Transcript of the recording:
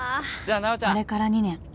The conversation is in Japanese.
［あれから２年］